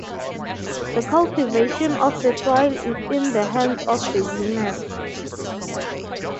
The cultivation of the soil is in the hands of the women.